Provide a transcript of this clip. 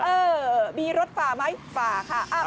เออมีรถฝ่าไหมฝ่าค่ะ